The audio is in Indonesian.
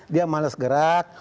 dia malas gerak